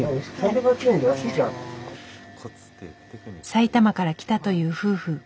埼玉から来たという夫婦。